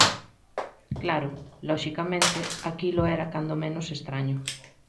Claro, loxicamente, aquilo era cando menos estraño.